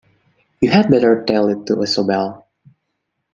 You had better tell it to Isobel.